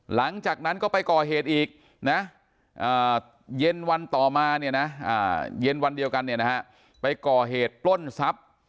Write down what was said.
หลังจากนั้นก็ไปก่อเหตุเดียวกันนี้นะไปก่อเหตุปล้นทรัพย์